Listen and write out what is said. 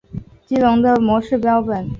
激龙的模式标本。